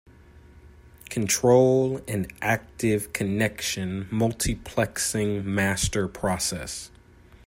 Control an active connection multiplexing master process.